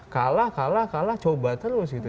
kalah kalah kalah coba terus gitu